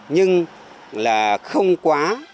nhưng là không quá